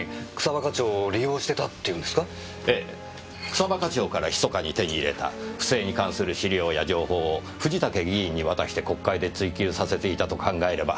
草葉課長から密かに手に入れた不正に関する資料や情報を藤竹議員に渡して国会で追及させていたと考えれば筋は通ります。